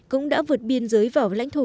cũng đã vượt biên giới vào lãnh thổ